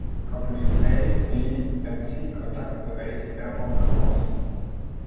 Companies A, B, and C conduct the Basic Airborne Course.